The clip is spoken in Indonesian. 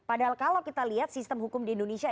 padahal kalau kita lihat sistem hukum di indonesia